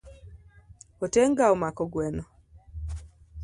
Otenga omako gweno.